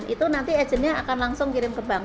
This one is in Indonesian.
itu nanti agentnya akan langsung kirim ke bank